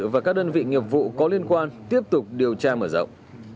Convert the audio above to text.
và các đơn vị nghiệp vụ có liên quan tiếp tục điều tra mở rộng